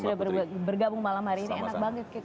sudah bergabung malam hari ini enak banget